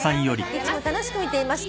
「いつも楽しく見ています。